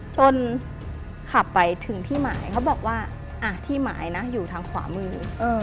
จนขับไปถึงที่หมายเขาบอกว่าที่หมายนะอยู่ทางขวามือ